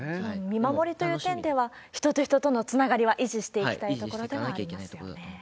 見守りという点では、人と人とのつながりは維持していきたいところではありますよね。